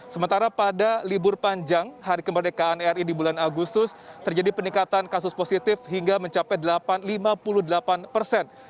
sementara pada libur panjang hari kemerdekaan ri di bulan agustus terjadi peningkatan kasus positif hingga mencapai lima puluh delapan persen